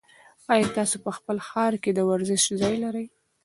ایا تاسي په خپل ښار کې د ورزش ځای لرئ؟